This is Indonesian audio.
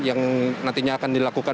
yang nantinya akan dilakukan